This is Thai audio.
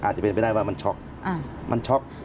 อาจจะเป็นไปได้ว่ามันช็อค